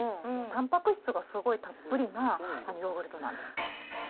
たんぱく質がすごいたっぷりなヨーグルトなんです。